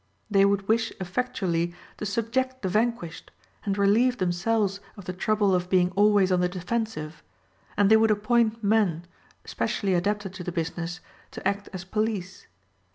They would wish effectually to subject the vanquished, and relieve themselves of the trouble of being always on the defensive, and they would appoint men, specially adapted to the business, to act as police.